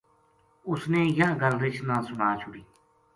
اُس نے یاہ گل رچھ نا سُنا چھُڑی